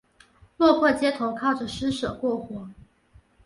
落魄街头靠著施舍过活